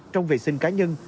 trong vệ sinh cá nhân